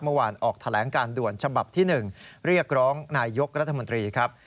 เมื่อวานออกแถลงการด่วนฉบับที่๑เรียกร้องนายยกรัฐมนตรีครับ